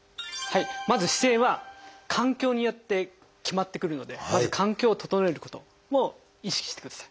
まず姿勢は環境によって決まってくるのでまず環境を整えることも意識してください。